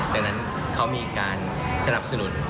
ดังนั้นเขามีการสนับสนุน